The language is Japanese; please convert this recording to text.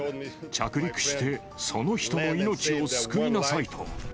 着陸して、その人の命を救いなさいと。